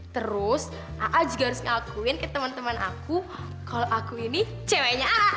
terus aa juga harus ngakuin ke teman teman aku kalau aku ini ceweknya a